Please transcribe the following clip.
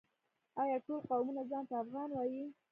آیا ټول قومونه ځان ته افغان وايي؟